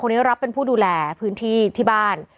รับเป็นผู้ดูแลพื้นที่ที่บ้าน